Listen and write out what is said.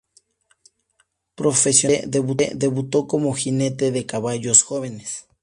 Profesionalmente, debutó como jinete de caballos jóvenes.